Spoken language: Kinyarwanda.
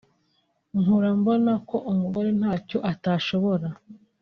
nkura mbona ko umugore ntacyo atashobora